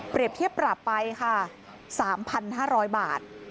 เปรียบเทียบปราบไป๓๕๐๐บาท